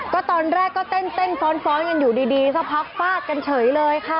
ก็ตอนแรกก็เต้นฟ้อนกันอยู่ดีสักพักฟาดกันเฉยเลยค่ะ